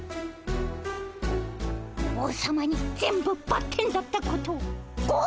王様に全部バッテンだったことをご